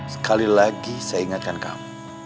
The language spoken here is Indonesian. sekali lagi saya ingatkan kamu